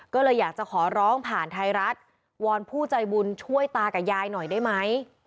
ก็เลยอยากจะขอร้องผ่านไทยรัฐวอนผู้ใจบุญช่วยตากับยายหน่อยได้ไหม